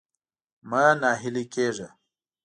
مه ناهيلی کېږه.